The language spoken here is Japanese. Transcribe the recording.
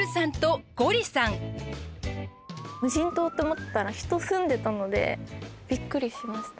無人島って思ってたら人住んでたのでびっくりしました。